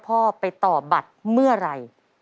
พ่อไปต่อบัตรเมื่อไหร่